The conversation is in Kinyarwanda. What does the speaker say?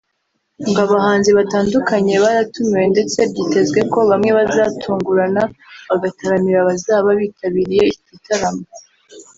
ngo abahanzi batandukanye baratumiwe ndetse byitezwe ko bamwe bazatungurana bagataramira abazaba bitabiriye iki gitaramo